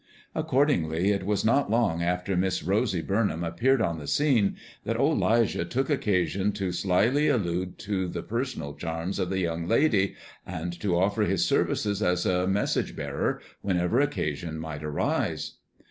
Accordingly it was not long after Miss Rosy Burnham appeared on the scene, that old 'Lijah took occasion to slyly allude to the personal charms of the young lady, and to offer his services as a message bearer, whenever occasion might arise.